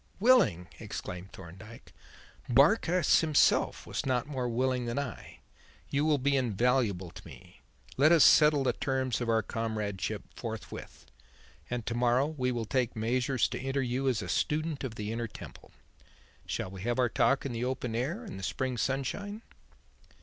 "Willing!" exclaimed Thorndyke, "Barkis himself was not more willing than I. You will be invaluable to me. Let us settle the terms of our comradeship forthwith, and to morrow we will take measures to enter you as a student of the Inner Temple. Shall we have our talk in the open air and the spring sunshine?"